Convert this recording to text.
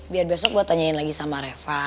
biar besok gue tanyain lagi sama reva